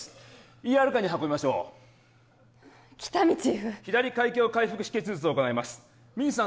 ＥＲカーに運びましょう喜多見チーフ左開胸開腹止血術を行いますミンさん